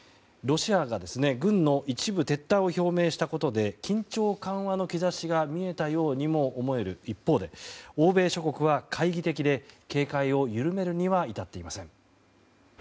ロシアが軍の一部撤退を表明したことで緊張緩和の兆しが見えたようにも思える一方で欧米諸国は懐疑的で警戒を緩めるには至っていません。